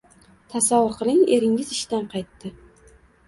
Tasavvur qiling: eringiz ishdan qaytdi.